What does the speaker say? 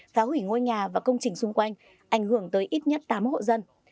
phá hủy ngôi nhà và công trình xung quanh ảnh hưởng tới ít nhất tám hộ dân